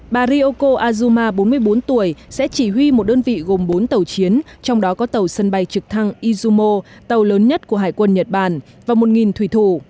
bà rioko azuma bốn mươi bốn tuổi sẽ chỉ huy một đơn vị gồm bốn tàu chiến trong đó có tàu sân bay trực thăng izumo tàu lớn nhất của hải quân nhật bản và một thủy thủ